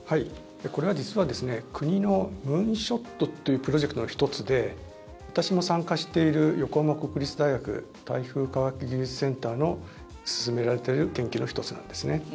これは実は国のムーンショットというプロジェクトの１つで私も参加している横浜国立大学台風科学技術センターの進められている研究の１つなんですね。